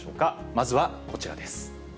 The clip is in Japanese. まずはこちらです。